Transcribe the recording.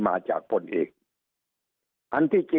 สุดท้ายก็ต้านไม่อยู่